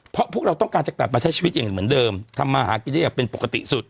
เพราะพวกเราต้องการจะกลับมาใช้ชีวิตอย่างเหมือนเดิมทำมาหากินได้อย่างเป็นปกติสุด